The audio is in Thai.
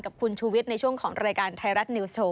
กับคุณชูวิทย์ในช่วงของรายการไทยรัฐนิวสโว